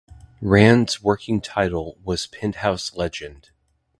Rand's working title was "Penthouse Legend".